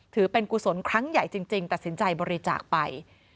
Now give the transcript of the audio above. ถือเป็นกุศลครั้งใหญ่จริงตัดสินใจบริจาคไป